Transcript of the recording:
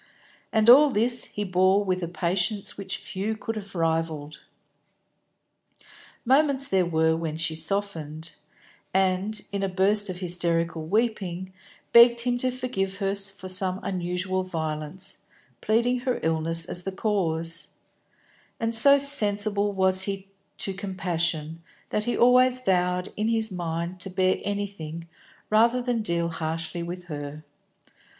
And all this he bore with a patience which few could have rivalled. Moments there were when she softened, and, in a burst of hysterical weeping, begged him to forgive her for some unusual violence, pleading her illness as the cause; and so sensible was he to compassion, that he always vowed in his mind to bear anything rather than deal harshly with her.